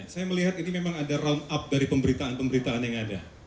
saya melihat ini memang ada round up dari pemberitaan pemberitaan yang ada